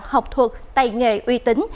học thuật tài nghề uy tín